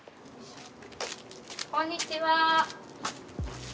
こんにちは。